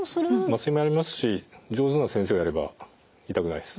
麻酔もやりますし上手な先生がやれば痛くないです。